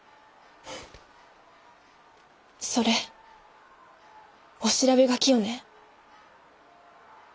それ御調べ書きよね。